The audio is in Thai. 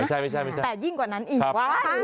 แต่ยิ่งกว่านั้นอีกว่า